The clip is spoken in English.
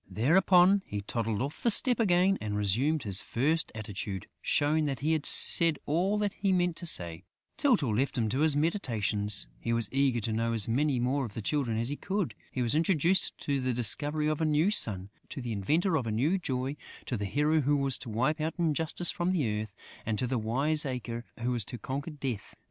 Thereupon, he toddled off the step again and resumed his first attitude, showing that he had said all that he meant to say. Tyltyl left him to his meditations; he was eager to know as many more of the Children as he could. He was introduced to the discoverer of a new sun, to the inventor of a new joy, to the hero who was to wipe out injustice from the earth and to the wiseacre who was to conquer Death....